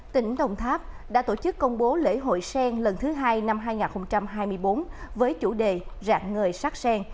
tỉnh đồng tháp đã tổ chức công bố lễ hội sen lần thứ hai năm hai nghìn hai mươi bốn với chủ đề rạng người sắc sen